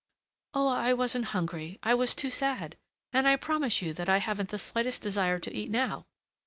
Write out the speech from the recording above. "Oh! I wasn't hungry, I was too sad! and I promise you that I haven't the slightest desire to eat now."